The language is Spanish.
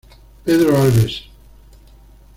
Pedro Alves